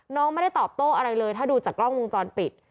น้องไม่ได้ตอบโต้อะไรเลยถ้าดูจากกล้องวงจรปิด